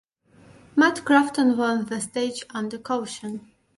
Matt Crafton won the stage under caution.